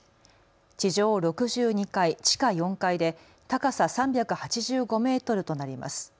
地上６２階、地下４階で高さ３８５メートルとなります。